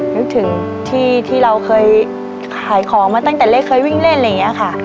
นึกถึงที่เราเคยขายของมาตั้งแต่เล็กเคยวิ่งเล่นอะไรอย่างนี้ค่ะ